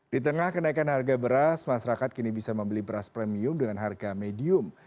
di tengah kenaikan harga beras masyarakat kini bisa membeli beras premium dengan harga medium